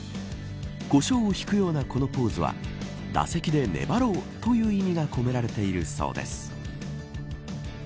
コショウをひくようなこのポーズは打席で粘ろうという意味が込められているそうです。